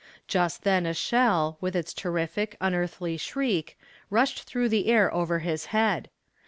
Just then a shell, with its terrific, unearthly shriek, rushed through the air over his head.